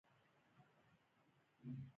درناوی د انسان د شخصیت لوړوالي یوه نښه ده.